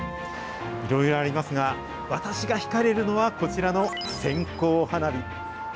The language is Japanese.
いろいろありますが、私が引かれるのはこちらの線香花火。